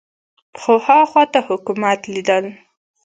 خو ها خوا ته حکومت لیدل